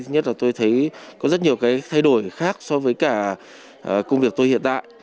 nhất là tôi thấy có rất nhiều cái thay đổi khác so với cả công việc tôi hiện đại